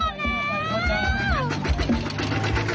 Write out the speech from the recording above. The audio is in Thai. สำคม